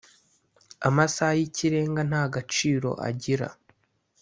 amasaha y ‘ikirenga ntagaciro agira.